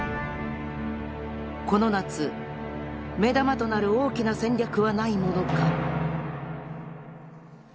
この夏目玉となる大きな戦略はないものか